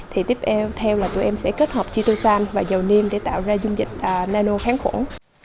thì tiếp theo là tụi em sẽ kết hợp chitosan và dầu niêm để tạo ra dung dịch nano kháng khuẩn